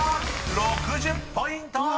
６０ポイント！］